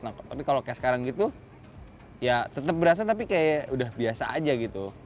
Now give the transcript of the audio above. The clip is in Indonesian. nah tapi kalau kayak sekarang gitu ya tetap berasa tapi kayak udah biasa aja gitu